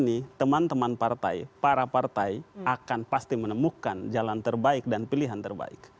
dan kami yakini teman teman partai para partai akan pasti menemukan jalan terbaik dan pilihan terbaik